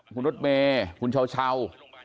คุณรถเมคุณชาว